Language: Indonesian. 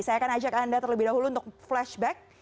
saya akan ajak anda terlebih dahulu untuk flashback